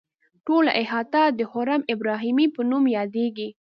ټوله احاطه د حرم ابراهیمي په نوم یادیږي.